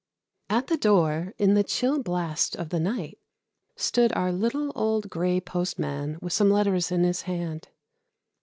At the door, in the chill blast of the night, stood our little old gray postman with some letters in his hand.